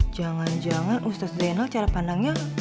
jangan jangan ustadz zainal cara pandangnya